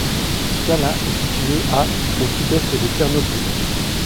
Skalat est située à au sud-est de Ternopil.